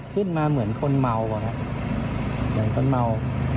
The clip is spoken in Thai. ขึ้นมาเหมือนคนเมาอะครับเหมือนคนเมา